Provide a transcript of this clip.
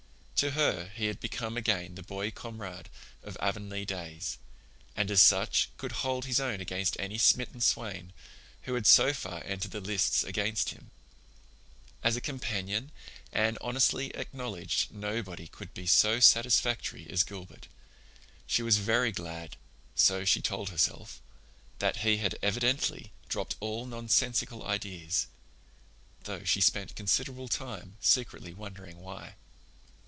To her he had become again the boy comrade of Avonlea days, and as such could hold his own against any smitten swain who had so far entered the lists against him. As a companion, Anne honestly acknowledged nobody could be so satisfactory as Gilbert; she was very glad, so she told herself, that he had evidently dropped all nonsensical ideas—though she spent considerable time secretly wondering why.